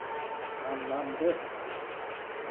Anlamlı.